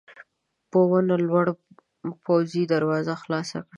په ونه لوړ پوځي دروازه خلاصه کړه.